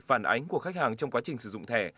phản ánh của khách hàng trong quá trình sử dụng thẻ